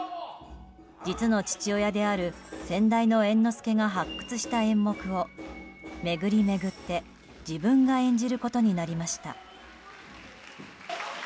実の父親である先代の猿之助が発掘した演目を巡り巡って自分が演じることになりました。